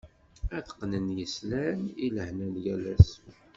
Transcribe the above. Ad t-qnen yeslan, i lehna n yal ass.